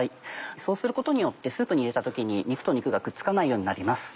そうすることによってスープに入れた時に肉と肉がくっつかないようになります。